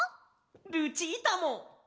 ルチータも！